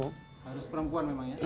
harus perempuan memang ya